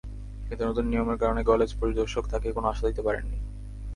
কিন্তু নতুন নিয়মের কারণে কলেজ পরিদর্শক তাঁকে কোনো আশা দিতে পারেননি।